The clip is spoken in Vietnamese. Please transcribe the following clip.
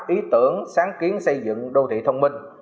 ý tưởng sáng kiến xây dựng đô thị thông minh